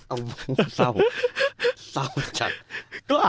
โอ้โหสกฝ่าแสดนะ